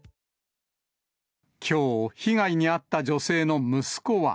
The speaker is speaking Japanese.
きょう、被害に遭った女性の息子は。